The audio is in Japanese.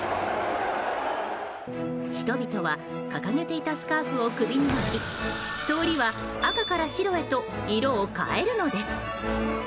人々は掲げていたスカーフを首に巻き通りは赤から白へと色を変えるのです。